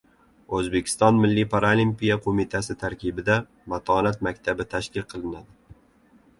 O‘zbekiston Milliy paralimpiya qo‘mitasi tarkibida “Matonat maktabi” tashkil qilinadi